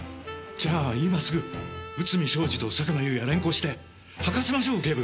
じゃあ今すぐ内海将司と佐久間有也連行して吐かせましょう警部！